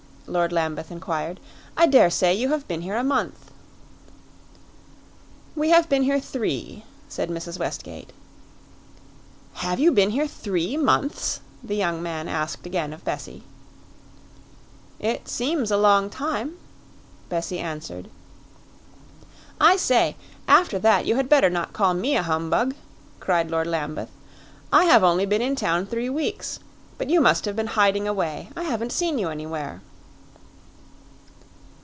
Lord Lambeth inquired. "I daresay you have been here a month." "We have been here three," said Mrs. Westgate. "Have you been here three months?" the young man asked again of Bessie. "It seems a long time," Bessie answered. "I say, after that you had better not call me a humbug!" cried Lord Lambeth. "I have only been in town three weeks; but you must have been hiding away; I haven't seen you anywhere."